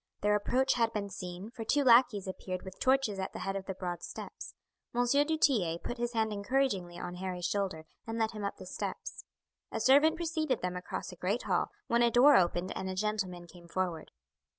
Their approach had been seen, for two lackeys appeared with torches at the head of the broad steps. M. du Tillet put his hand encouragingly on Harry's shoulder and led him up the steps. A servant preceded them across a great hall, when a door opened and a gentleman came forward.